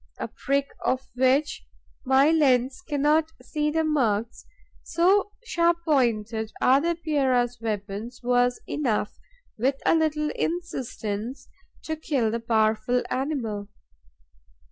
A prick of which my lens cannot see the marks, so sharp pointed are the Epeira's weapons, was enough, with a little insistence, to kill the powerful animal.